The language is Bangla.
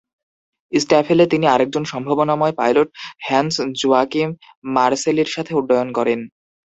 স্ট্যাফেলে তিনি আরেকজন সম্ভাবনাময় পাইলট হ্যান্স-জোয়াকিম মার্সেলির সাথে উড্ডয়ন করেন।